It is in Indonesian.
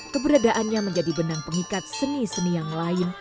keberadaannya menjadi benang pengikat seni seni yang lain